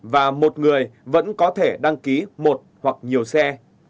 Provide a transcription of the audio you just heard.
và một người vẫn có thể đăng ký một hoặc nhiều xe